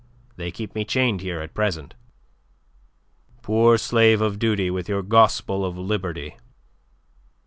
They keep me chained here at present." "Poor slave of duty with your gospel of liberty!"